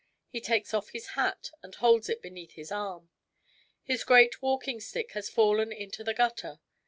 He takes off his hat and holds it beneath his arm. His great walking stick has fallen into the gutter.